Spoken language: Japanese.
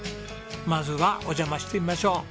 まずはお邪魔してみましょう。